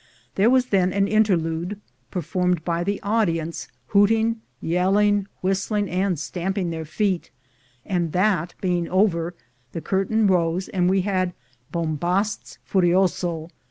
There was then an interlude performed by the audience, hooting, yelling, whistling, and stamping their feet; and that being over, the curtain rose, and we had Bombastes Furioso.